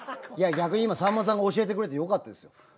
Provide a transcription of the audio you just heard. いや逆に今さんまさんが教えてくれてよかったですよ。